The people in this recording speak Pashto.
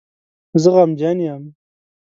زه غمجن یم